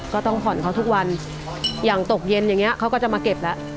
ก็ต้องผ่อนเขาทุกวันอย่างตกเย็นอย่างนี้เขาก็จะมาเก็บแล้ว